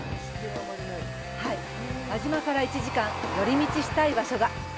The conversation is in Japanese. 輪島から１時間寄り道したい場所が。